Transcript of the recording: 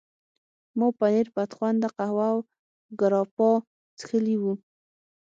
ما پنیر، بدخونده قهوه او ګراپا څښلي وو.